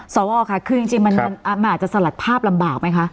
สวค่ะคือจริงมันอาจจะสลัดภาพลำบากไหมคะ